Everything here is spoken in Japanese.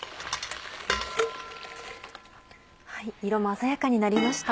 色も鮮やかになりました。